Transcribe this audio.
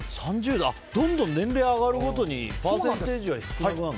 どんどん年齢上がるごとにパーセンテージが低くなる。